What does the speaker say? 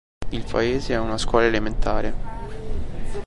Il paese ha una scuola elementare.